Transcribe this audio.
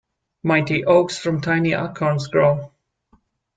Mighty oaks from tiny acorns grow.